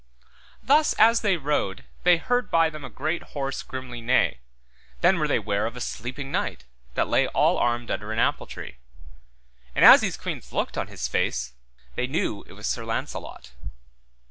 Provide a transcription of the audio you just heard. Thus as they rode they heard by them a great horse grimly neigh, then were they ware of a sleeping knight, that lay all armed under an apple tree; anon as these queens looked on his face, they knew it was Sir Launcelot.